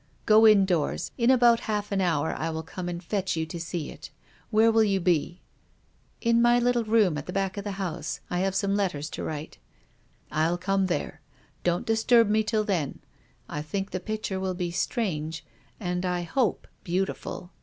Go indoors. In about half an hour I will come and fetch you to see it. Where will you be ?"" In my little room at the back of the house. I have some letters to write." " I'll come there. Don't disturb me, till then, I think the picture will be strange — and I hope beautiful."